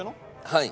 はい。